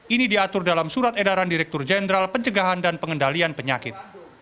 ini diatur dalam surat edaran direktur jenderal pencegahan dan pengendalian penyakit